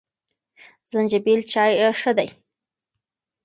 زنجبیل چای ښه دی.